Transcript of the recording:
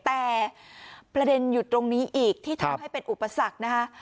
แต่ประเด็นอยู่ตรงนี้อีกที่ทำให้เป็นอุปสรรคนะคะ